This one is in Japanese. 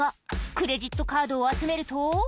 クレジットカードを集めると。